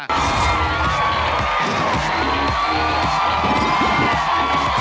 จริง